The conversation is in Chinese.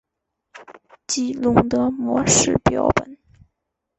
激龙的模式标本。